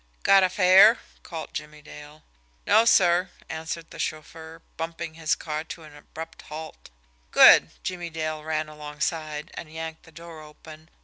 "Got a fare?" called Jimmie Dale. "No, sir," answered the chauffeur, bumping his car to an abrupt halt. "Good!" Jimmie Dale ran alongside, and yanked the door open.